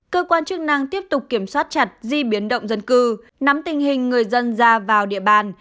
cơ quan chức năng tiếp tục kiểm soát chặt di biến động dân cư nắm tình hình người dân ra vào địa bàn